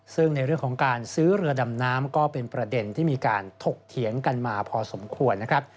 ซึ่งในเรื่องของการซื้อเรือดำน้ำก็เป็นประเด็นที่มีการถกเถียงกันมาพอสมควรนะครับ